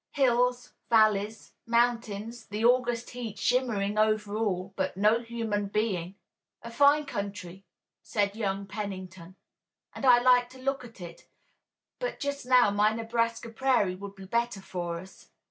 "Hills, valleys, mountains, the August heat shimmering over all, but no human being." "A fine country," said young Pennington, "and I like to look at it, but just now my Nebraska prairie would be better for us.